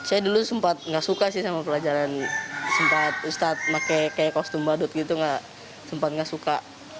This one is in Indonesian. saya dulu sempat nggak suka sih sama pelajaran sempat ustadz pakai kostum badut gitu gak sempat nggak suka